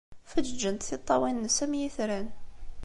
Feǧǧeǧent tiṭṭawin-nnes am yitran.